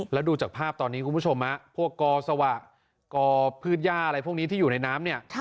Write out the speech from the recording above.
แล้วดูจากภาพตอนนี้คุณผู้ชมพวกกอสวะกอพืชย่าอะไรพวกนี้ที่อยู่ในน้ำเนี่ย